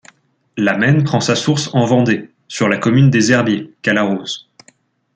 La Maine prend sa source en Vendée, sur la commune des Herbiers qu'elle arrose.